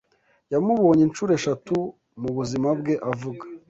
yamubonye incuro eshatu mu buzima bwe avuga